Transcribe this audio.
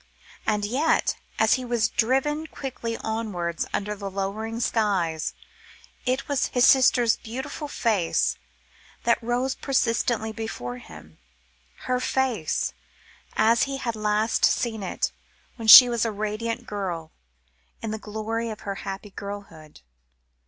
And yet, as he was driven quickly onwards under the lowering skies, it was his sister's beautiful face that rose persistently before him, her face, as he had last seen it, when she was a radiant girl, in the glory of her happy girlhood.